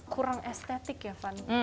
kurang estetik ya van